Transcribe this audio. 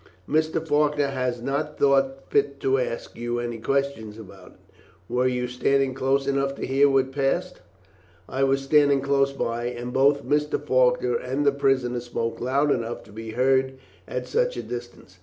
Mr. Faulkner has not thought fit to ask you any questions about it. Were you standing close enough to hear what passed?" "I was standing close by, and both Mr. Faulkner and the prisoner spoke loudly enough to be heard at such a distance."